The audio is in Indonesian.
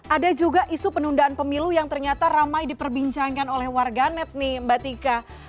ada juga isu penundaan pemilu yang ternyata ramai diperbincangkan oleh warganet nih mbak tika